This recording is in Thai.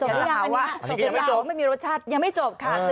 สบพูดยาวป่ะนี้สบพูดยาวไม่รสชาติยังไม่จบค่ะ